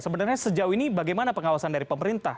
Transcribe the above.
sebenarnya sejauh ini bagaimana pengawasan dari pemerintah